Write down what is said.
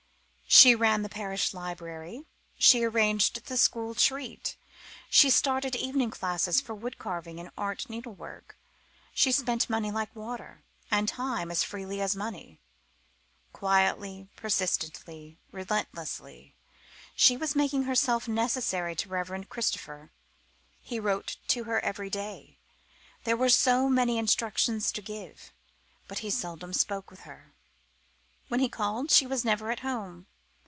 She ran the parish library, she arranged the school treat, she started evening classes for wood carving and art needlework. She spent money like water, and time as freely as money. Quietly, persistently, relentlessly, she was making herself necessary to the Reverend Christopher. He wrote to her every day there were so many instructions to give but he seldom spoke with her. When he called she was never at home.